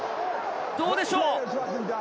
どうでしょう？